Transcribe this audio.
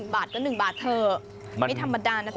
บาทก็๑บาทเถอะไม่ธรรมดานะจ๊